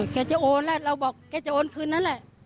แกจะโอนแล้วเราบอกแกจะโอนคืนนั้นแหละ